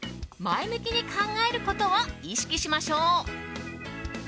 前向きに考えることを意識しましょう。